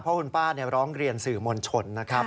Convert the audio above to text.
เพราะคุณป้าร้องเรียนสื่อมวลชนนะครับ